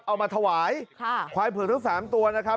เอามาถวายค่ะควายเผือกทั้งสามตัวนะครับ